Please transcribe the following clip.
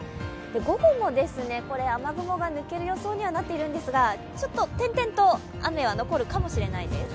午後も雨雲が抜ける予想にはなっているんですがちょっと点々と雨は残るかもしれないです。